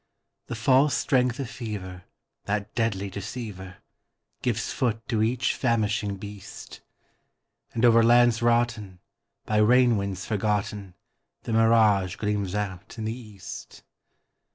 The false strength of fever, that deadly deceiver, Gives foot to each famishing beast; And over lands rotten, by rain winds forgotten, The mirage gleams out in the east.